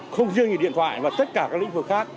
không riêng là điện thoại mà tất cả các lĩnh vực khác